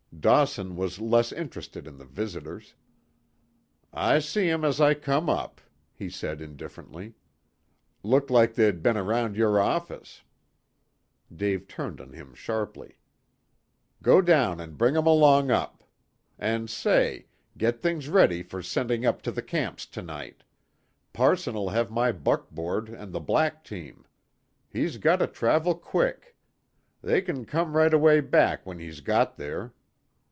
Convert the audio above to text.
Dawson was less interested in the visitors. "I see 'em as I come up," he said indifferently. "Looked like they'd been around your office." Dave turned on him sharply. "Go down and bring 'em along up. And say get things ready for sending up to the camps to night. Parson'll have my buckboard and the black team. He's got to travel quick. They can come right away back when he's got there.